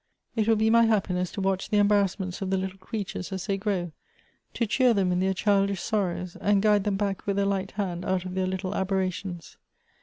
It wilkbe my happiness to watch the embarrassments of the little creatures as they grow ; to cheer them in their childish sorrows, and guide them back with a light h.and out of their little aberrations.